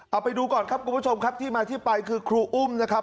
เอาไปดูก่อนครับคุณผู้ชมครับที่มาที่ไปคือครูอุ้มนะครับ